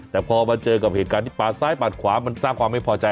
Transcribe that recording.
แต่พอมาเจอกับเหตุการณ์ที่ปาดซ้ายปาดขวามันสร้างความไม่พอใจ